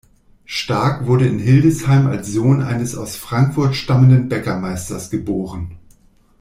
Starck wurde in Hildesheim als Sohn eines aus Frankfurt stammenden Bäckermeisters geboren.